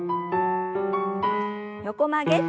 横曲げ。